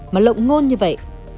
mà lộng ngôn như vậy